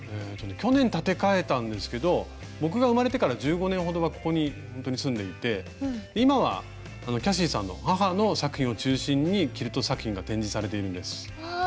去年建て替えたんですけど僕が生まれてから１５年ほどはここにほんとに住んでいて今はキャシーさんの母の作品を中心にキルト作品が展示されているんです。